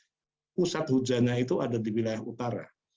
tapi saat hujannya itu ada di wilayah utara